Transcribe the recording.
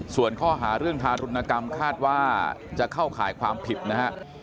ส่วนข้อหาเรื่องทารุณกรรมคาดว่าจะเข้าข่ายความผิดนะฮะ